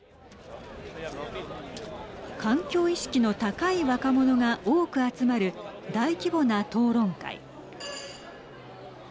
環境意識の高い若者が多く集まる大規模な討論会。